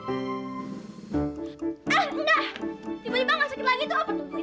ah thank you ya aku senang udah nggak sakit lagi aku sembuh thank you i love you